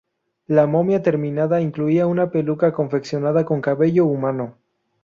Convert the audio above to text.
La momia terminada incluía una peluca confeccionada con cabello humano.